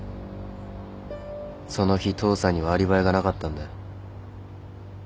その日父さんにはアリバイがなかったんだよ。